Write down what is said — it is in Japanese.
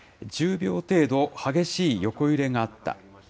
１０秒程度、激しい横揺れがあった。